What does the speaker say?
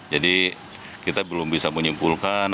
jadi kita belum bisa menyimpulkan